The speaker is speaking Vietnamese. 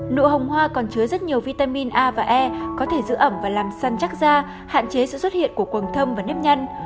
nụ hồng hoa còn chứa rất nhiều vitamin a và e có thể giữ ẩm và làm săn chắc da hạn chế sự xuất hiện của quần thông và nếp nhăn